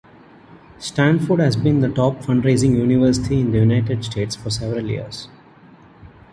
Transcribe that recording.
Stanford has been the top fundraising university in the United States for several years.